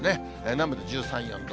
南部で１３、４度。